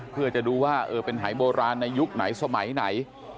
เพื่อจะดูว่าเป็นหายโบราณในยุคไหนสมัยไหน